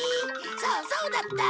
そうそうだった！